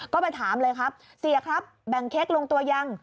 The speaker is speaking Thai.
ก็ไปถามเลยครับเสียครับแบ่งเค้กลงตัวยัง